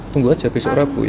tunggu aja besok rabu